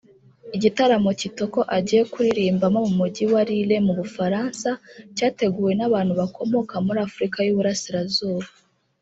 Igitaramo Kitoko agiye kuririmbamo mu Mujyi wa Lille mu Bufaransa cyateguwe n’abantu bakomoka muri Afurika y’Uburasirazuba